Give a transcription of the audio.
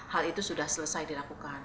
hal itu sudah selesai dilakukan